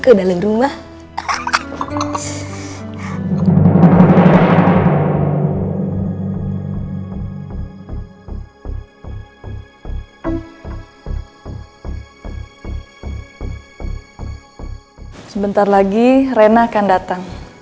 kalau udah lagi sama dia